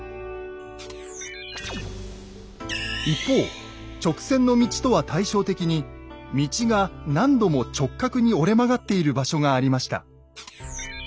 一方直線の道とは対照的に道が何度も直角に折れ曲がっている場所がありました。